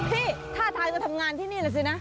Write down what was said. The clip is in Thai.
พี่ท่าตาทำงานที่นี่เลยสินะ